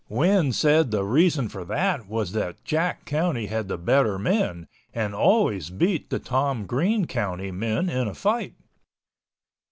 Win said the reason for that was Jack County had the better men and always beat the Tom Green County men in a fight.